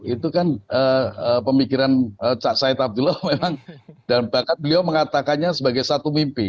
itu kan pemikiran cak said abdullah memang dan bahkan beliau mengatakannya sebagai satu mimpi